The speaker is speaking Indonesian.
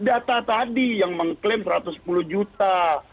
data tadi yang mengklaim satu ratus sepuluh juta